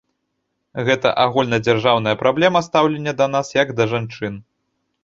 Гэта агульнадзяржаўная праблема стаўлення да нас як да жанчын.